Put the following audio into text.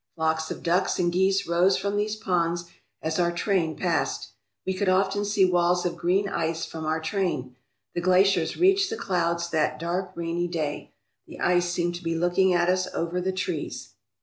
Flocks of ducks and geese rose from these ponds as our train passed. We could often see walls of green ice from our train. The glaciers reached the clouds that dark, rainy day. The ice seemed to be looking at us over the trees.